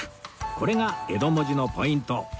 これが江戸文字のポイント